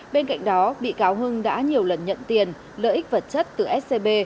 bên cạnh đó bị cáo hưng đã nhiều lần nhận tiền lợi ích vật chất từ scb